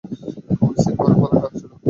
কাপড় ইস্ত্রি করার পালা কার ছিল?